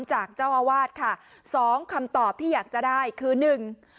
จากเจ้าอาวาสค่ะสองคำตอบที่อยากจะได้คือหนึ่ง